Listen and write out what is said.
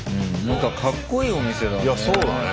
何かかっこいいお店だね。